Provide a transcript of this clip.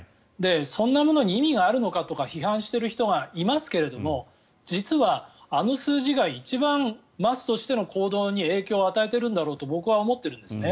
そんなものに意味があるのかとか批判している人がいますけど実はあの数字が一番マスとしての行動に影響を与えているんだろうと僕は思っているんですね。